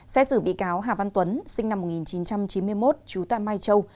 xét xử bị cáo hà văn tuấn sinh năm một nghìn chín trăm chín mươi một trú tại mai châu